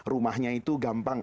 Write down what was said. rumahnya itu gampang